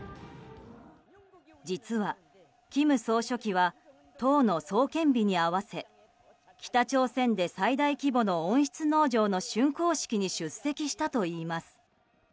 実は、金総書記は党の創建日に合わせ北朝鮮で最大規模の温室農場の竣工式に出席したといいます。